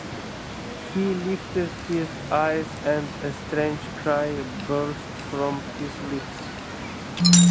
He lifted his eyes, and a strange cry burst from his lips.